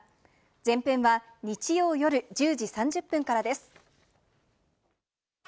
前編は日曜夜１０時３０分からです。